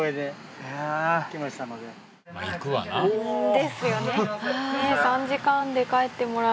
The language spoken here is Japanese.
ですよね。